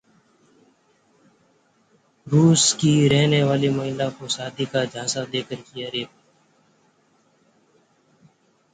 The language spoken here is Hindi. रूस की रहने वाली महिला को शादी का झांसा देकर किया रेप